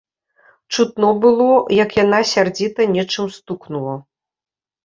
Чутно было, як яна сярдзіта нечым стукнула.